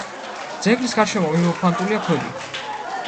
ძეგლის გარშემო მიმოფანტულია ქვები.